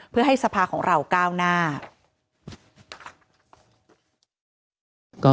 เพื่อให้สภาของเราก้าวหน้า